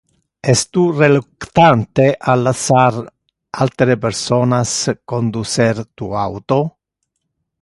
Es tu reluctante a lassar altere personas conducer tu auto?